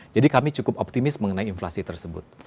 jadi kami cukup optimis mengenai inflasi tersebut